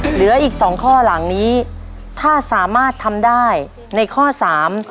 เหลืออีกสองข้อหลังนี้ถ้าสามารถทำได้ในข้อสาม